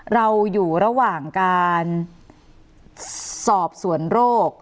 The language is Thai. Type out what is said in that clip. เราอยู่ระหว่างการสอบสวนโรค